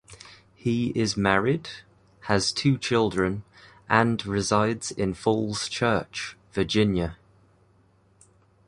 He is married, has two children, and resides in Falls Church, Virginia.